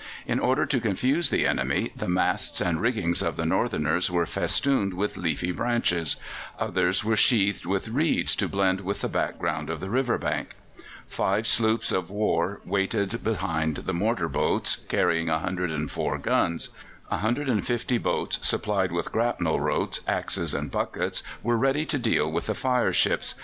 In order to confuse the enemy, the masts and rigging of the Northerners were festooned with leafy branches; others were sheathed with reeds to blend with the background of the river bank. Five sloops of war waited behind the mortar boats, carrying 104 guns; 150 boats supplied with grapnel ropes, axes, and buckets, were ready to deal with the fire ships.